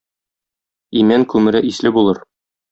Имән күмере исле булыр.